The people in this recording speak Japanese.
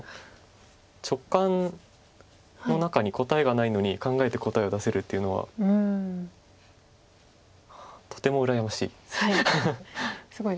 直感の中に答えがないのに考えて答えを出せるというのはとても羨ましいです。